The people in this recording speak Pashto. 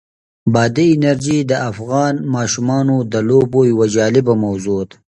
بادي انرژي د افغان ماشومانو د لوبو یوه جالبه موضوع ده.